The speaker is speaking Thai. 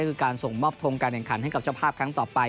ก็คือการส่งมอบทงการแข่งขันให้กับเจ้าภาพครั้งต่อไป